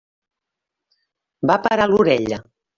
Va parar l'orella.